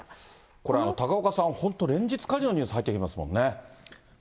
これ、高岡さん、本当、連日のように火事のニュース入ってきますもんね。